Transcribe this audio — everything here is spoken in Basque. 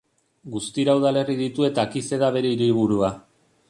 Guztira udalerri ditu eta Akize da bere hiriburua.